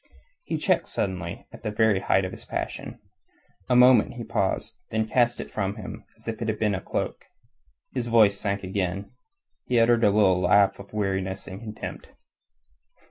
He checked suddenly at the very height of his passion. A moment he paused, then cast it from him as if it had been a cloak. His voice sank again. He uttered a little laugh of weariness and contempt.